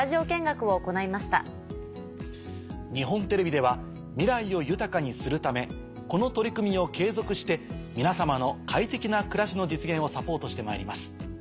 日本テレビでは未来を豊かにするためこの取り組みを継続して皆様の快適な暮らしの実現をサポートしてまいります。